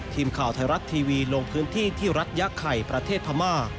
ทีมข่าวไทยรัฐทีวีลงพื้นที่ที่รัฐยะไข่ประเทศพม่า